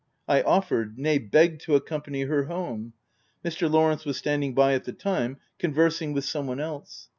I offered — nay, begged to accompany her home. Mr. Lawrence was standing by at the time, con versing with some one else.